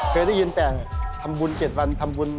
เคยได้ยินแต่ทำบุญ๗วันทำบุญ